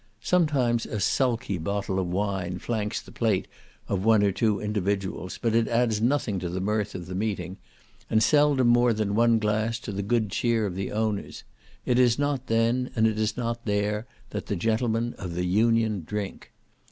Sometimes a sulky bottle of wine flanks the plate of one or two individuals, but it adds nothing to the mirth of the meeting, and seldom more than one glass to the good cheer of the owners, it is not then, and it is not there, that the gentlemen of the Union drink.